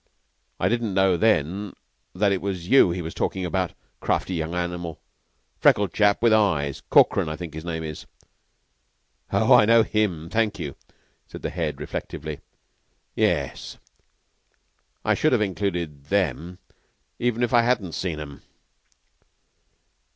I didn't know then that it was you he was talkin' about. Crafty young animal. Freckled chap with eyes Corkran, I think his name is." "Oh, I know him, thank you," said the Head, and reflectively. "Ye es, I should have included them even if I hadn't seen 'em."